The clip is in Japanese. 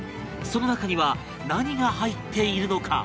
その中には何が入っているのか？